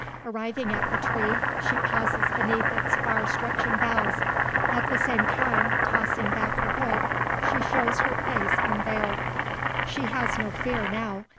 Arriving at the tree, she pauses beneath its far stretching boughs. At the same time tossing back her hood, she shows her face unveiled. She has no fear now.